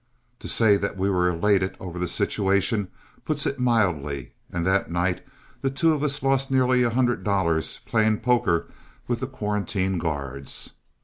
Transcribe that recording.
To say that we were elated over the situation puts it mildly, and that night the two of us lost nearly a hundred dollars playing poker with the quarantine guards.